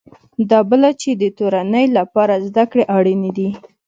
بله دا چې د تورنۍ لپاره زده کړې اړینې دي.